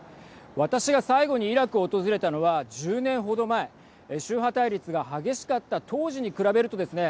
私が最後にイラクを訪れたのは１０年程前宗派対立が激しかった当時に比べるとですね